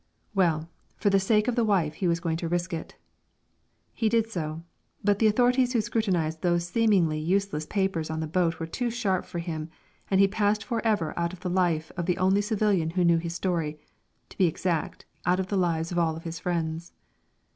Well, for the sake of the wife he was going to risk it. He did so. But the authorities who scrutinise those little seemingly useless papers on the boat were too sharp for him, and he passed for ever out of the life of the only civilian who knew his story to be exact, out of the lives of all his friends.